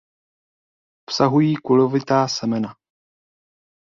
Obsahují kulovitá semena.